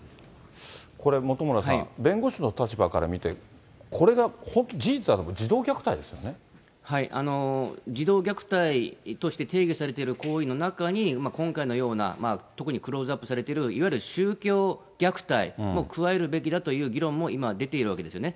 これ本村さん、弁護士の立場から見ると、これが本当に事実だとしたら、児童虐待はい、児童虐待として定義されている広義の中に、今回のような、特にクローズアップされているいわゆる宗教虐待も加えるべきだという議論も今、出ているわけですよね。